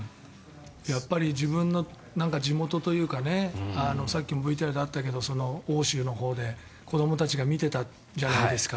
自分の地元というかさっきもＶＴＲであったけど奥州のほうで子どもたちが見てたじゃないですか。